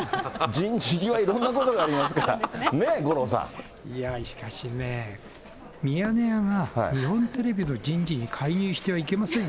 人事にはいろんなことがありますいや、しかしね、ミヤネ屋が日本テレビの人事に介入してはいけませんよ。